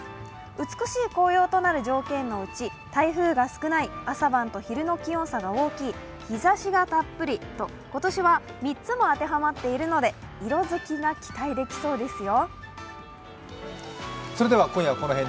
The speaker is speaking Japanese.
美しい紅葉となる条件のうち台風が少ない、朝晩と昼の気温差が大きい、日ざしがたっぷりと、今年は３つも当てはまっているので色づきが期待できそうですよ。